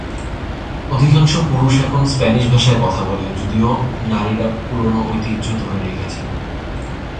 অধিকাংশ পুরুষ এখন স্প্যানিশ ভাষায় কথা বলে, যদিও নারীরা পুরোনো ঐতিহ্য ধরে রেখেছে।